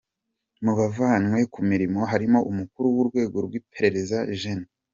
Mu bavanywe ku mirimo harimo umukuru w’ urwego rw’ iperereza, Gen.